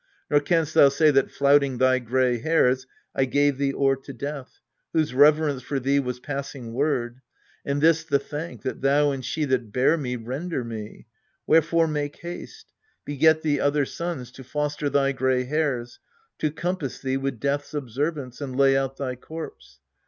Nor canst thou say that flouting thy gray hairs I gave thee o'er to death, whose reverence For thee was passing word and this the thank That thou and she that bear me render me ! Wherefore, make haste : beget thee other sons To foster thy gray hairs, to compass thee With death's observance, and lay out thy corpse.